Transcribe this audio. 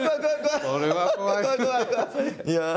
いや。